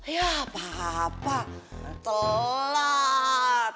ya apa apa telat